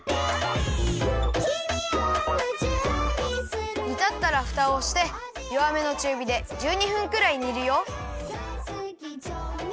「君を夢中にする」にたったらふたをしてよわめのちゅうびで１２分くらいにるよ。